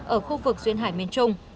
ở khu vực duyên hải miền trung